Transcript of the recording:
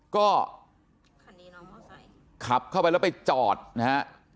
ก็คันนี้ขับเข้าไปแล้วไปจอดนะฮะ